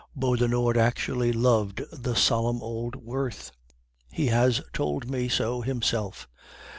Beaudenord actually loved the solemn old Wirth he has told me so himself!